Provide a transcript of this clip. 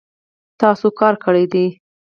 تاسو کار کړی دی